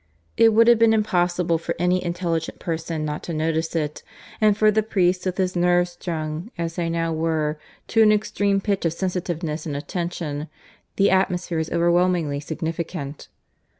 It would have been impossible for any intelligent person not to notice it, and for the priest, with his nerves strung, as they now were, to an extreme pitch of sensitiveness and attention, the atmosphere was overwhelmingly significant.